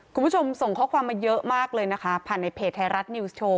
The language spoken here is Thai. คุณผู้ชมส่งข้อความมาเยอะมากเลยนะคะผ่านในเพจไทยรัฐนิวส์โชว์